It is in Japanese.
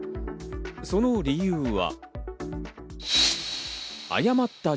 その理由は。